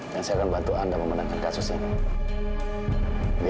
dan saya akan bantu anda memenangkan kasus ini